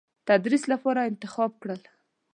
تدریس لپاره انتخاب کړل.